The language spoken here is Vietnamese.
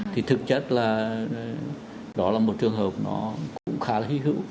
thì thực chất là đó là một trường hợp nó cũng khá là hy hữu